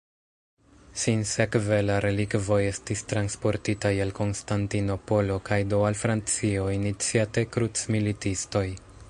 Sinsekve la relikvoj estis transportitaj al Konstantinopolo kaj do al Francio iniciate krucmilitistoj.